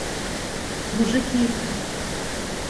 мужики